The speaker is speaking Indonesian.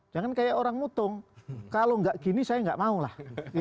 jangan seperti orang mutung kalau tidak begini saya tidak mau lah